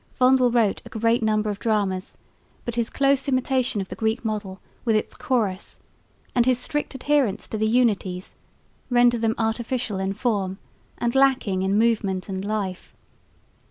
Vondel wrote a great number of dramas, but his close imitation of the Greek model with its chorus, and his strict adherence to the unities, render them artificial in form and lacking in movement and life.